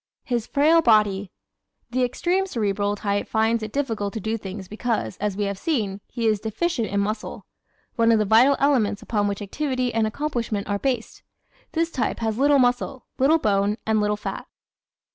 His Frail Body ¶ The extreme Cerebral type finds it difficult to do things because, as we have seen, he is deficient in muscle one of the vital elements upon which activity and accomplishment are based. This type has little muscle, little bone, and little fat.